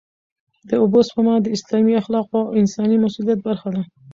د اوبو سپما د اسلامي اخلاقو او انساني مسوولیت برخه ده.